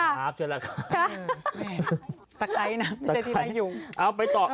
ตะไคร้นะไม่ใช่ที่มายุ่ง